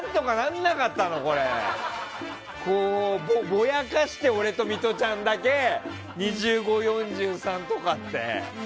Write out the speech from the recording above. ぼやかして俺とミトちゃんだけ２５、４３とかって。